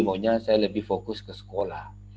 maunya saya lebih fokus ke sekolah